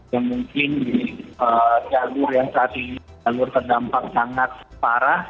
yang mungkin jalur yang saat ini terdampak sangat parah